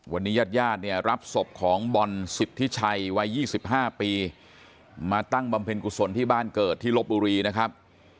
วันนี้ญาติญาติเนี่ยรับศพของบอลสิทธิชัยวัย๒๕ปีมาตั้งบำเพ็ญกุศลที่บ้านเกิดที่ลบบุรีนะครับ